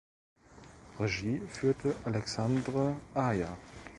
Regie führte Alexandre Aja.